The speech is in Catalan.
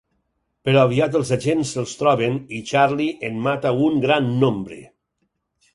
Però aviat els agents els troben i Charlie en mata un gran nombre.